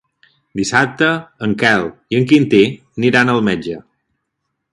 Dissabte en Quel i en Quintí aniran al metge.